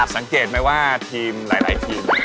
สังเกตไหมว่าทีมหลายทีม